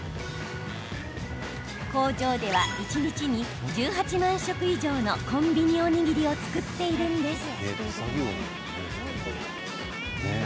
工場では、一日に１８万食以上のコンビニおにぎりを作っているんです。